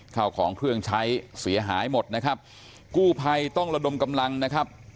ข้าวของเครื่องใช้เสียหายหมดนะครับกู้ภัยต้องระดมกำลังนะครับ